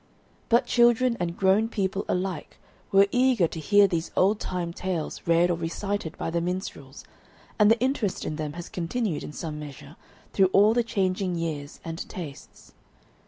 But children and grown people alike were eager to hear these old time tales read or recited by the minstrels, and the interest in them has continued in some measure through all the changing years and tastes.